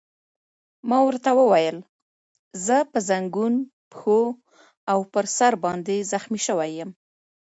ما ورته وویل: زه په زنګون، پښو او پر سر باندې زخمي شوی یم.